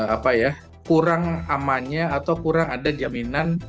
apa ya kurang amannya atau kurang ada jaminan